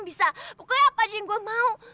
bisa pokoknya apa aja yang gue mau